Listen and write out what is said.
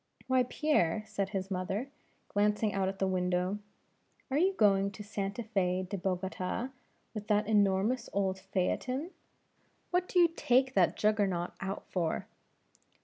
"Why, Pierre," said his mother, glancing out at the window, "are you going to Santa Fe De Bogota with that enormous old phaeton; what do you take that Juggernaut out for?"